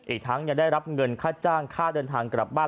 อีกทั้งยังได้รับเงินค่าจ้างค่าเดินทางกลับบ้าน